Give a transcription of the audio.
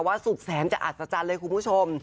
สุดแสนจะอัศจรรย์เลยคุณผู้ชม